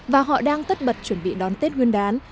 và họ đang tất bật chuẩn bị đón tết nguyên đán